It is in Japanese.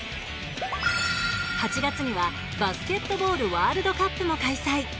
８月にはバスケットボールワールドカップも開催。